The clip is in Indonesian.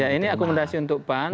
ya ini akomodasi untuk pan